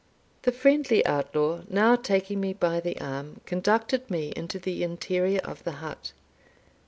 The friendly outlaw, now taking me by the arm, conducted me into the interior of the hut.